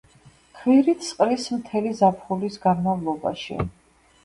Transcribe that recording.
ქვირითს ყრის მთელი ზაფხულის განმავლობაში.